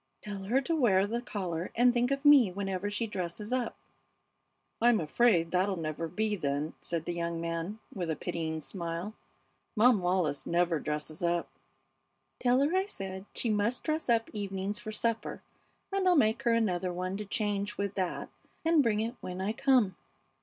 "Tell her to wear the collar and think of me whenever she dresses up." "I'm afraid that'll never be, then," said the young man, with a pitying smile. "Mom Wallis never dresses up." "Tell her I said she must dress up evenings for supper, and I'll make her another one to change with that and bring it when I come."